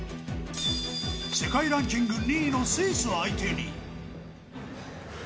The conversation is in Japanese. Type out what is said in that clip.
世界ランキング２位のスイス相手に。